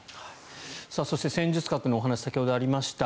そして、戦術核のお話が先ほどありました。